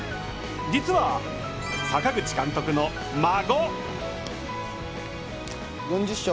実は、阪口監督の孫。